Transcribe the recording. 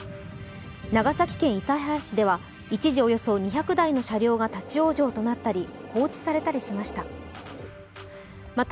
長崎県諫早市では一時およそ２００台の車両が立往生となったり放置されたりしました。